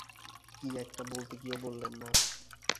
কী একটা বলতে গিয়েও বললেন না।